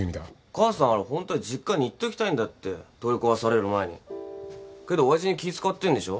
母さんあれホントは実家に行っときたいんだって取り壊される前に。けど親父に気使ってんでしょ。